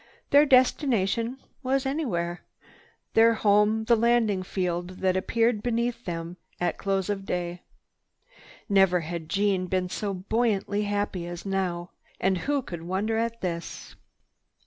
Their destination was anywhere, their home the landing field that appeared beneath them at close of day. Never had Jeanne been so buoyantly happy as now. And who could wonder at this?